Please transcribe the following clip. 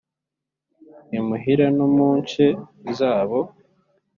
Imuhira no mu nce zabo